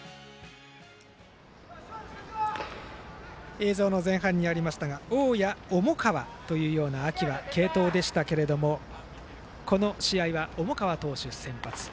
映像の前半にありましたが大矢、重川という秋の継投がありましたがこの試合は、重川投手が先発。